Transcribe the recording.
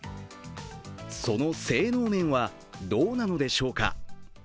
その性能面はどうなのでしょうか。